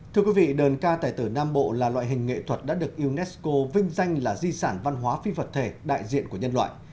thưa quý vị đơn ca tài tử nam bộ là loại hình nghệ thuật đã được unesco vinh danh là di sản văn hóa phi vật thể đại diện của nhân loại